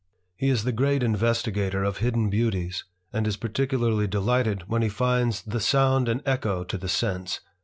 He is the great investigator of hidden beauties, and b particularly delighted when he finds "the sound an echo to the sense."